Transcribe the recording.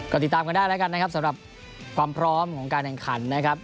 ก็ติดตามกันได้แล้วกันนะครับสำหรับความพร้อมของการแข่งขันนะครับ